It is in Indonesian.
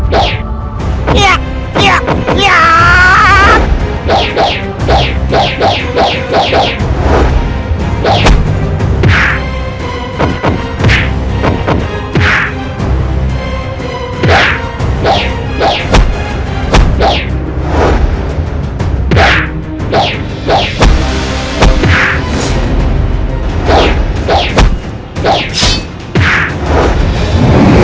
beliau pun berpisah dengan guru